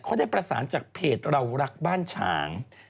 เขาได้ประสานจากเพจเรารักบ้านฉาง